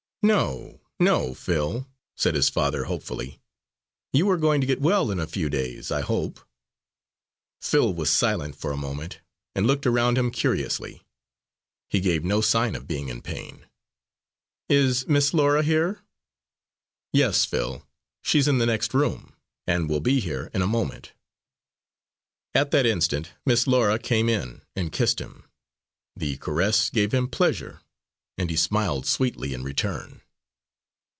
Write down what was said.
"No, no, Phil," said his father hopefully. "You are going to get well in a few days, I hope." Phil was silent for a moment, and looked around him curiously. He gave no sign of being in pain. "Is Miss Laura here?" "Yes, Phil, she's in the next room, and will be here in a moment." At that instant Miss Laura came in and kissed him. The caress gave him pleasure, and he smiled sweetly in return.